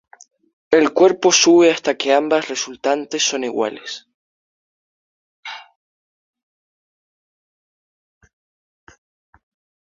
El cuerpo sube hasta que ambas resultantes son iguales.